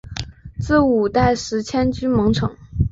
至五代时迁居蒙城。